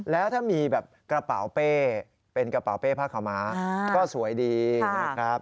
แล้วถ้ามีแบบกระเป๋าเป้เป็นกระเป๋าเป้ผ้าขาวม้าก็สวยดีนะครับ